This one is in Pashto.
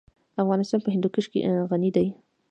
افغانستان په هندوکش غني دی.